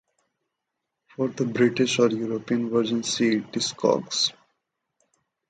For the British or European version, see Discogs.